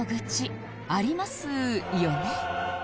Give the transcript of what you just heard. ありますよね？